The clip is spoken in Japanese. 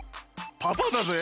パパだぜ。